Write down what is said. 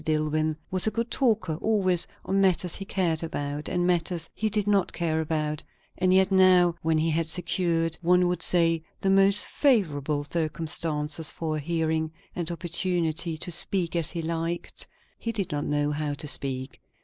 Dillwyn was a good talker, always, on matters he cared about, and matters he did not care about; and yet now, when he had secured, one would say, the most favourable circumstances for a hearing, and opportunity to speak as he liked, he did not know how to speak.